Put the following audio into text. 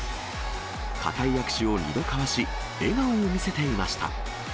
固い握手を２度交わし、笑顔を見せていました。